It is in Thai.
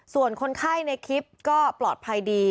ส่วนคนไข้ในคลิปก็ปลอดภัยดี